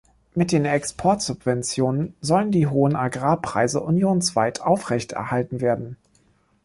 Mit den Exportsubventionen sollen die hohen Agrarpreise unionsweit aufrechterhalten werden.